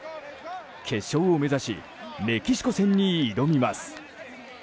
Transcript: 決勝を目指しメキシコ戦に挑みます。